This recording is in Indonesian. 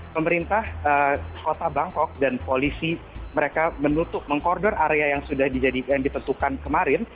pemerintah kota bangkok dan polisi mereka menutup mengkorder area yang sudah ditentukan kemarin